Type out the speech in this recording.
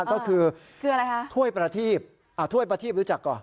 ก็คือถ้วยประทีศถ้วยประทีศรู้จักก่อ